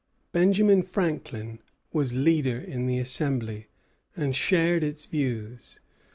Benjamin Franklin was leader in the Assembly and shared its views.